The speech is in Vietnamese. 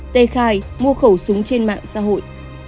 tê khai mua khẩu súng trên mạng xã hội